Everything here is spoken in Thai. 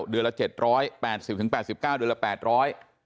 เดือนละเจ็ดร้อยแปดสิบถึงแปดสิบเก้าเดือนละแปดร้อย